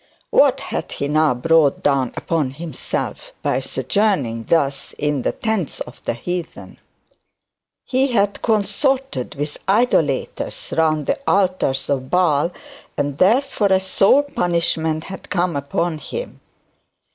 What had he now brought down upon himself by sojourning thus in the tents of the heathen? He had consorted with idolaters round the altars of Baal; and therefore a sore punishment had come upon him.